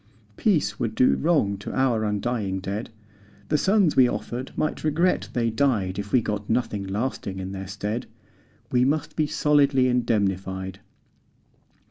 Peace would do wrong to our undying dead, The sons we offered might regret they died If we got nothing lasting in their stead. We must be solidly indemnified.